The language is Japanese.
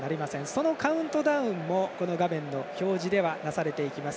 そのカウントダウンもこの画面の表示では出されていきます。